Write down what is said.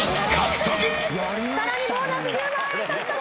さらにボーナス１０万円獲得！